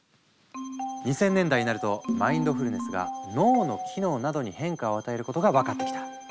２０００年代になるとマインドフルネスが脳の機能などに変化を与えることが分かってきた。